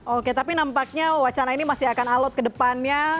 oke tapi nampaknya wacana ini masih akan alot ke depannya